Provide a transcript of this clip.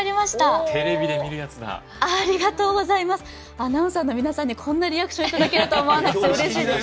アナウンサーの皆さんにこんなリアクションを頂けるとは思わなくてうれしいです。